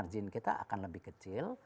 margin kita akan lebih kecil